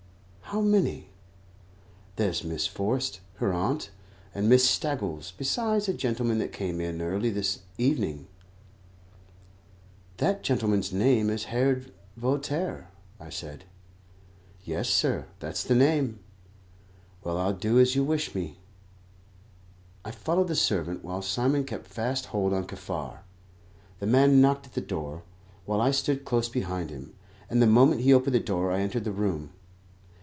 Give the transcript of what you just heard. "How many?" "There's Miss Forrest, her aunt, and Miss Staggles, besides a gentleman that came early in the evening." "That gentleman's name is Herod Voltaire," I said. "Yes, sir, that's the name. Well, I'll do as you wish me." I followed the servant, while Simon kept fast hold on Kaffar. The man knocked at the door, while I stood close behind him, and the moment he opened the door I entered the room.